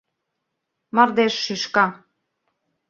Мардеж шӱшка